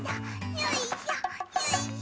よいしょよいしょ。